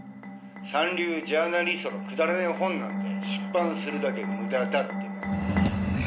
「三流ジャーナリストのくだらない本なんて出版するだけ無駄だってな」